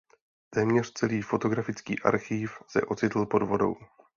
Téměř celý fotografický archiv se ocitl pod vodou.